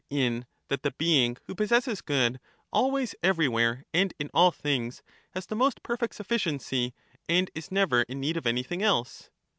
In that the being who possesses good always every where and in all things has the most perfect suflBciency, and is never in need of anything else.